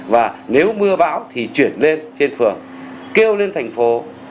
và nếu mưa bão thì chuyển lên trên phường kêu lên thành phố